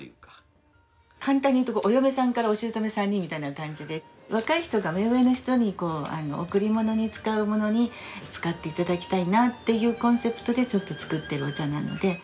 簡単に言うとお嫁さんからおしゅうとめさんにみたいな感じで若い人が目上の人に贈り物に使うものに使っていただきたいなっていうコンセプトでちょっと作ってるお茶なので。